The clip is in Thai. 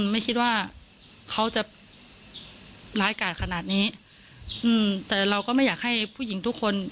ไม่คิดว่าเขาจะร้ายกาดขนาดนี้อืมแต่เราก็ไม่อยากให้ผู้หญิงทุกคน